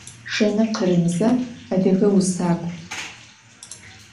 Jjene Khırımıze – adıge vusak'u.